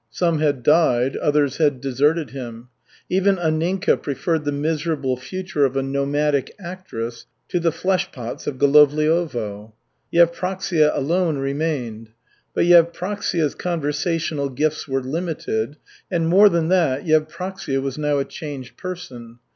Some had died, others had deserted him. Even Anninka preferred the miserable future of a nomadic actress to the flesh pots of Golovliovo. Yevpraksia alone remained. But Yevpraksia's conversational gifts were limited, and, more than that, Yevpraksia was now a changed person.